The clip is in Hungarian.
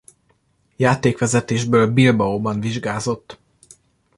Játékvezetésből Bilbaóban vizsgázott.